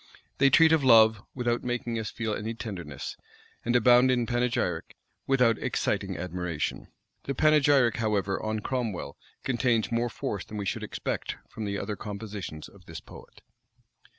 They treat of love, without making us feel any tenderness; and abound in panegyric, without exciting admiration. The panegyric, however, on Cromwell, contains more force than we should expect, from the other compositions of this poet.